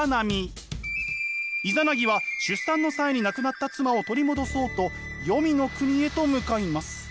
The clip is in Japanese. イザナギは出産の際に亡くなった妻を取り戻そうと黄泉の国へと向かいます。